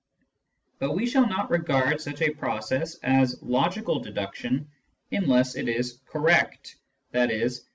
But we shall not regard such a process as logical deduction unless it is correct, i.e.